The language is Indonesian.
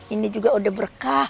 ini juga udah berkah